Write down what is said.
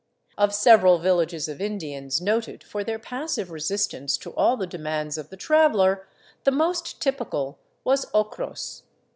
Of several villages of Indians noted for their passive resistance to all the demands of the traveler, the most typical was Ocros.